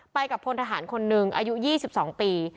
ไปกับพลทหารคนหนึ่งอายุ๒๒ปี